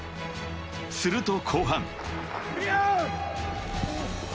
すると後半。